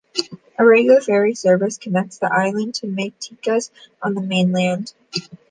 A regular ferry service connects the island to Mytikas on the mainland.